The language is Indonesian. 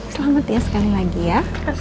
selamat ya sekali lagi ya